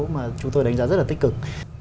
mà chúng tôi đánh giá rất là tích cực